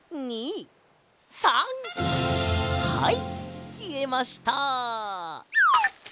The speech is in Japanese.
はいきえました！